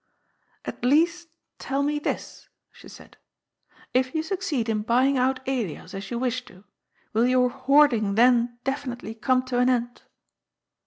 ^' At least tell me this," she said. "If you succeed in buying out Elias, as you wish to, will your hoarding then definitely come to an end